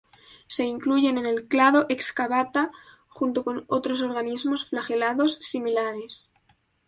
Se incluyen en el clado Excavata, junto con otros organismos flagelados similares.